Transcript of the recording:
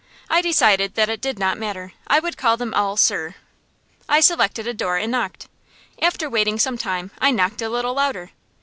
I decided that it did not matter: I would call them all "Sir." I selected a door and knocked. After waiting some time, I knocked a little louder.